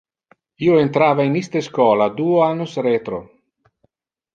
Io entrava in iste schola duo annos retro.